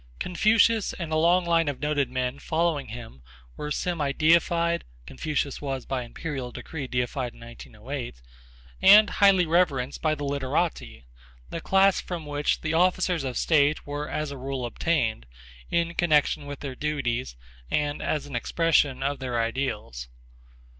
Confucius and a long line of noted men following him were semi deified [Footnote: Confucius was by imperial decree deified in 1908.] and highly reverenced by the literati, the class from which the officers of state were as a rule obtained, in connection with their duties, and as an expression of their ideals.